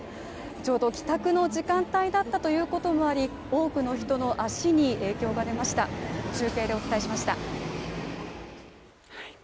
ちょうど帰宅の時間帯だったということもあり多くの人の足に影響が出ました。